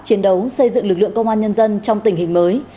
chiến đấu xây dựng lực lượng công an nhân dân trong tình hình mới